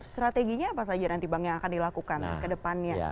strateginya apa saja nanti bang yang akan dilakukan ke depannya